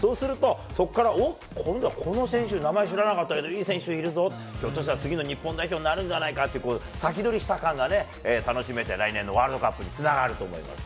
そこから、おっ、今度はこの選手、名前知らなかったけどいい選手いるぞ、ひょっとしたら、次の日本代表になるんじゃないかっていう、先取りした感がね、楽しめて、来年のワールドカップにつながると思います。